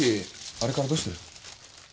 あれからどうしてる？